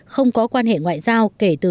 không có quan hệ ngoại giao kể từ